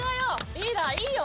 リーダーいいよ！